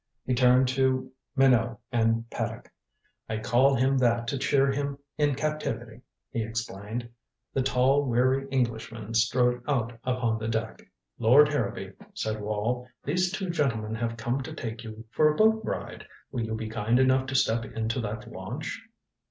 He turned to Minot and Paddock. "I call him that to cheer him in captivity," he explained. The tall weary Englishman strode out upon the deck. "Lord Harrowby," said Wall, "these two gentlemen have come to take you for a boat ride. Will you be kind enough to step into that launch?"